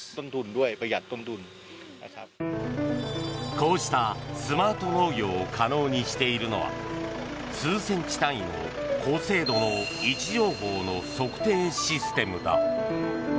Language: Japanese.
こうしたスマート農業を可能にしているのは数センチ単位の高精度の位置情報の測定システムだ。